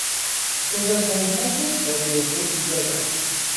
بزرگترین حسن یک قاضی خوب ایجاز است.